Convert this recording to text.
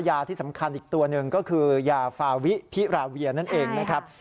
ยาที่สำคัญอีกตัวหนึ่งก็คือยาฟาวิพิราเวียนั่นเองนะครับ